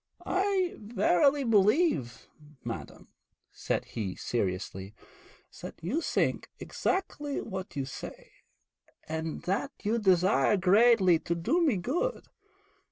'I verily believe, madam,' said he seriously, 'that you think exactly what you say, and that you desire greatly to do me good.